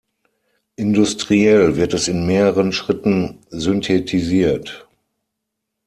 Industriell wird es in mehreren Schritten synthetisiert.